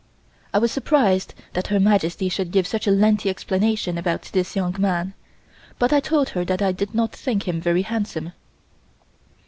I was surprised that Her Majesty should give such a lengthy explanation about this young man, but I told her that I did not think him very handsome.